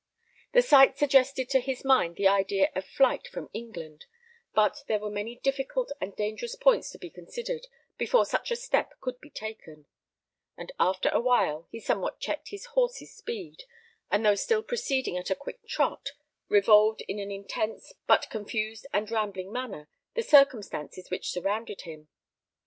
The sight suggested to his mind the idea of flight from England; but there were many difficult and dangerous points to be considered before such a step could be taken; and after awhile, he somewhat checked his horse's speed, and though still proceeding at a quick trot, revolved in an intense, but confused and rambling manner, the circumstances which surrounded him.